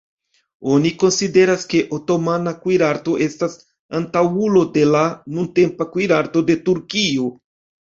Oni konsideras, ke otomana kuirarto estas antaŭulo de la nuntempa kuirarto de Turkio.